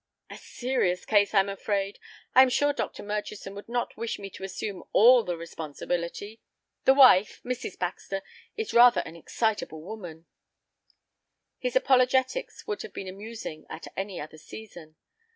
"A serious case, I'm afraid. I am sure Dr. Murchison would not wish me to assume all the responsibility. The wife, Mrs. Baxter, is rather an excitable woman—" His apologetics would have been amusing at any other season.